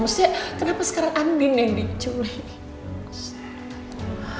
maksudnya kenapa sekarang andin yang diculik